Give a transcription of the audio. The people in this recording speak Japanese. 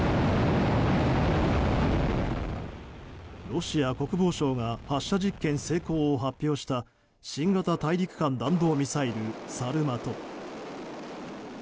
ロシア国防省が発射実験成功を発表した新型大陸間弾道ミサイルサルマト。